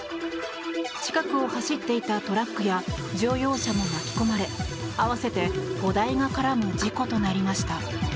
近くを走っていたトラックや乗用車も巻き込まれ合わせて５台が絡む事故となりました。